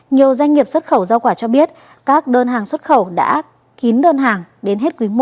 nhiều doanh nghiệp xuất khẩu giao quả cho biết các đơn hàng xuất khẩu đã kín đơn hàng đến hết quý một năm hai nghìn hai mươi bốn